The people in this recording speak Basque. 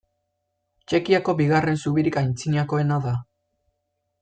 Txekiako bigarren zubirik antzinakoena da.